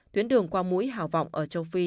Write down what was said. tuyến đường qua mũi hào vọng ở châu phi